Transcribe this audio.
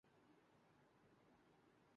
پسند کی شام والی بات انہوں نے دو تین مرتبہ کہی۔